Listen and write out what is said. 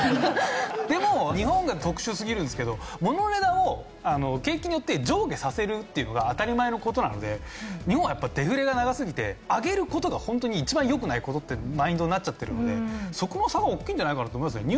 でも日本が特殊すぎるんですけどものの値段を景気によって上下させるっていうのが当たり前の事なので日本はやっぱりデフレが長すぎて上げる事がホントに一番よくない事ってマインドになっちゃってるのでそこの差は大きいんじゃないかなと思いますね。